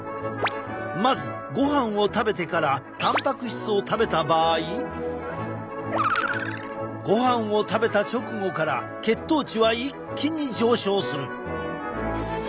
まずごはんを食べてからたんぱく質を食べた場合ごはんを食べた直後から血糖値は一気に上昇する。